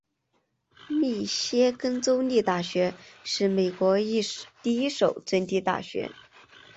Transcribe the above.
密歇根州立大学是美国第一所赠地大学。